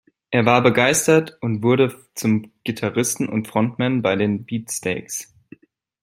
Er war begeistert und wurde zum Gitarristen und Frontmann bei den "Beatsteaks".